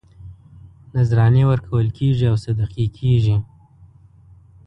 نذرانې ورکول کېږي او صدقې کېږي.